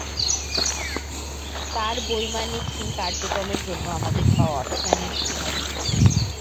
তার বৈমানিকহীন কার্যক্রমের জন্য আমাদের পাওয়া অর্থায়নের দিকে নজর দিয়েছে।